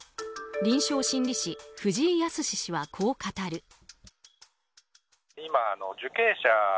臨床心理士・藤井靖氏はこう語る。